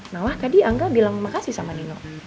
nah wah tadi angga bilang makasih sama nino